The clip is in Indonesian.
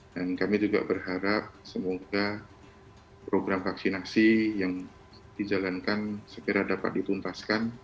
dan kami juga berharap semoga program vaksinasi yang dijalankan segera dapat dituntaskan